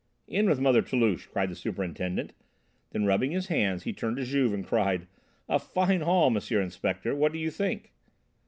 "In with Mother Toulouche!" cried the Superintendent, then rubbing his hands he turned to Juve and cried: "A fine haul, M. Inspector. What do you think?"